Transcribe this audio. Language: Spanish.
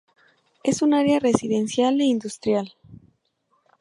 Es un área residencial e industrial.